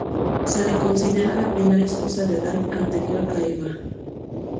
Se le considera la primera esposa de Adán, anterior a Eva.